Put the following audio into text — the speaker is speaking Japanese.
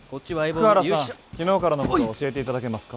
福原さん昨日からのことを教えていただけますか？